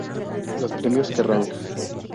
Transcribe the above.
Los Premios Kerrang!